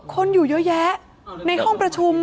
คนอยู่เยอะแยะในห้องประชุม